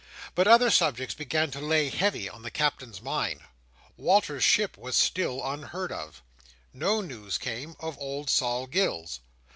But other subjects began to lay heavy on the Captain's mind. Walter's ship was still unheard of. No news came of old Sol Gills.